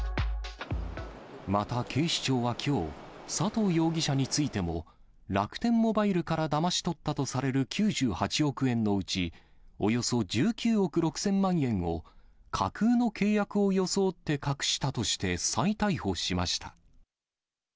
また警視庁はきょう、佐藤容疑者についても、楽天モバイルからだまし取ったとされる９８億円のうち、およそ１９億６０００万円を架空の契約を装って隠したとして再逮捕しました。